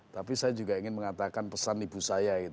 tapi saya juga ingin mengatakan pesan ibu saya